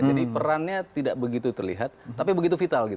jadi perannya tidak begitu terlihat tapi begitu vital